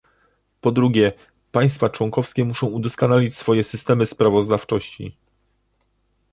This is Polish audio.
Po drugie, państwa członkowskie muszą udoskonalić swoje systemy sprawozdawczości